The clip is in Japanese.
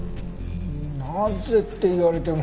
なぜって言われても。